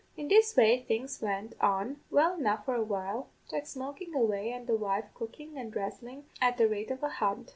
"In this way things went on well enough for a while, Jack smokin' away, an' the wife cookin' and dhressin' at the rate of a hunt.